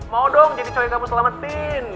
mau dong jadi cowok kamu selamatin